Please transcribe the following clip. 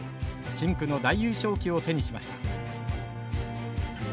深紅の大優勝旗を手にしました。